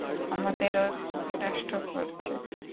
আমাদের ঐক্য বিনষ্ট করছে।